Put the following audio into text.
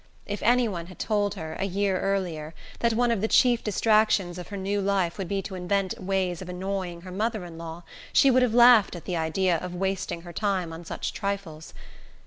If any one had told her, a year earlier, that one of the chief distractions of her new life would be to invent ways of annoying her mother in law, she would have laughed at the idea of wasting her time on such trifles.